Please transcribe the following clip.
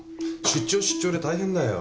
出張出張で大変だよ。